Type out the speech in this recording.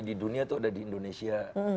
di dunia itu ada di indonesia